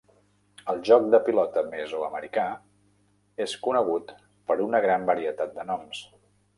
El joc de pilota mesoamericà és conegut per una gran varietat de noms.